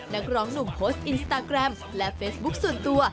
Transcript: นักร้องหนุ่มโพสต์อินสตาแกรมและเฟซบุ๊คส่วนตัว